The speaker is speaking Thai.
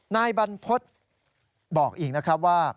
นายบรรพฤษบอกอีกนะครับว่า